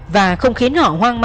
và không khiến họ hoang mang thêm nữa